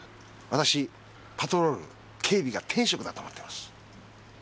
私パトロール警備が天職だと思ってます。